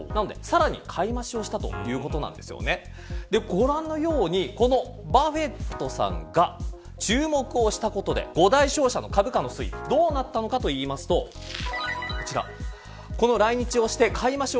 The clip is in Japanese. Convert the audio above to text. ご覧のように、バフェットさんが注目をしたことで５大商社の株価の推移どうなったのかと言いますとこちら。